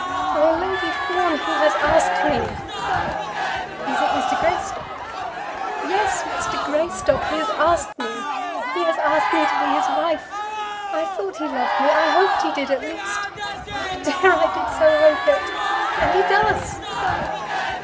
"Oh, Lady Fawn, he has asked me!" "Is it Mr. Greystock?" "Yes; Mr. Greystock. He has asked me. He has asked me to be his wife. I thought he loved me. I hoped he did, at least. Oh dear, I did so hope it! And he does!"